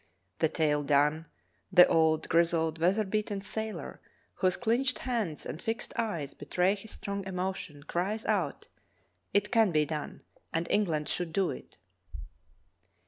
The tale done, the old, grizzled, weather beaten sailor, whose clinched hands and fixed eyes betray his strong emotion, cries out: "It can be done, and England should do it!"